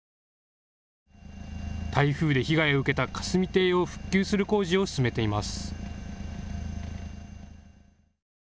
台風で被害を受けた霞堤を復旧する工事を進めています。